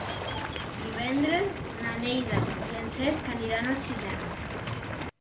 Divendres na Neida i en Cesc aniran al cinema.